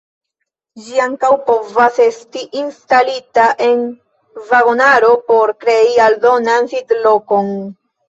Ĝi ankaŭ povas esti instalita en vagonaro por krei aldonan sidlokon.